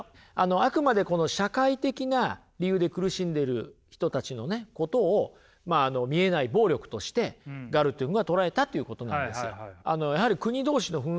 あくまで社会的な理由で苦しんでいる人たちのことを見えない暴力としてガルトゥングが捉えたということなんですよ。